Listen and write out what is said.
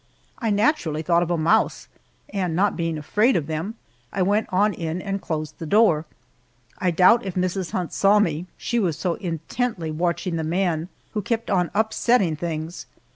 I naturally thought of a mouse, and not being afraid of them, I went on in and closed the door. I doubt if Mrs. Hunt saw me, she was so intently watching the man, who kept on upsetting things.